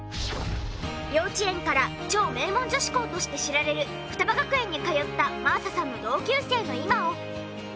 幼稚園から超名門女子校として知られる雙葉学園に通った真麻さんの同級生の今を。